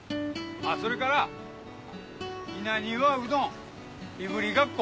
あそれから稲庭うどんいぶりがっこ